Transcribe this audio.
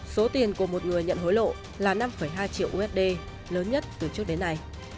số tiền của một người nhận hối lộ là năm hai triệu usd lớn nhất từ trước đến nay